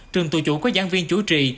trường tù chủ có giảng viên chủ trì